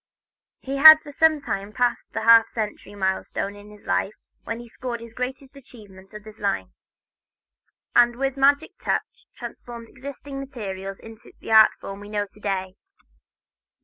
He had for some time passed the half century milestone of his life when he scored his greatest achievements in this line, and with magic touch transformed existing materials into the art form we know to day.